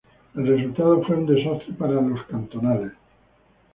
El resultado fue un desastre para los cantonales.